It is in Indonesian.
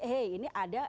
hei ini ada